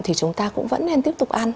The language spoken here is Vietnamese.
thì chúng ta cũng vẫn nên tiếp tục ăn